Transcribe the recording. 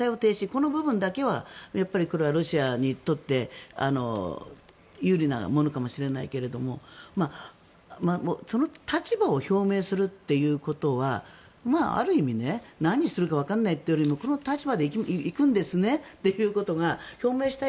この部分だけはロシアにとって有利なものかもしれないけれどもその立場を表明するということはある意味、何するかわからないというよりもこの立場で行くんですね？ということが表明した